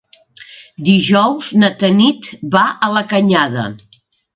Dijous na Tanit va a la Canyada.